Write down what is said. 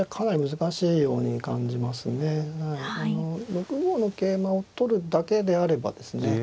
６五の桂馬を取るだけであればですね